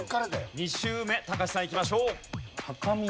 ２周目隆さんいきましょう。